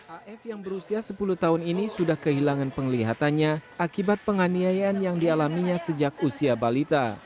af yang berusia sepuluh tahun ini sudah kehilangan penglihatannya akibat penganiayaan yang dialaminya sejak usia balita